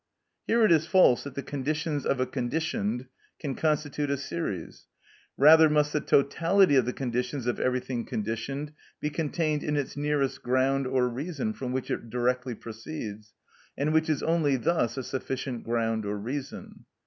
Here it is false that the conditions of a conditioned can constitute a series. Rather must the totality of the conditions of everything conditioned be contained in its nearest ground or reason from which it directly proceeds, and which is only thus a sufficient ground or reason.